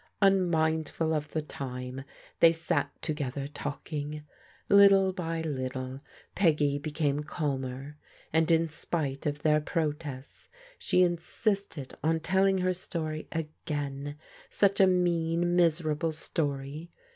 Unmindful of the time, they sat together, talking. Little by little Peggy became calmer, and in spite of their protests she insisted on telling her story again; such a mean, miserable story!